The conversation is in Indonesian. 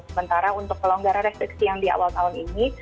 sementara untuk pelonggaran restriksi yang di awal tahun ini